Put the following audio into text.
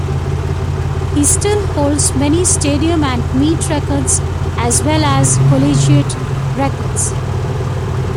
He still holds many stadium and meet records, as well as Collegiate Records.